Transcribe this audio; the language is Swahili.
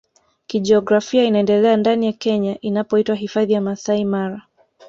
kijiografia inaendelea ndani ya Kenya inapoitwa hifadhi ya Masai Mara